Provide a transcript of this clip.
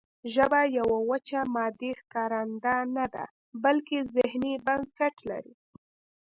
ژبه یوه وچه مادي ښکارنده نه ده بلکې ذهني بنسټ لري